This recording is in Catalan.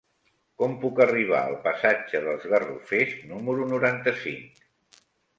Com puc arribar al passatge dels Garrofers número noranta-cinc?